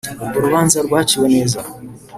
urwo rubanza rwaciwe neza